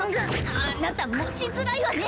あなた持ちづらいわね